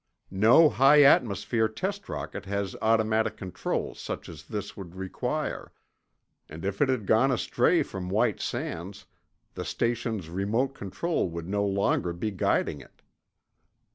No high atmosphere test rocket has automatic controls such as this would require. And if it had gone astray from White Sands, the station's remote control would no longer be guiding it.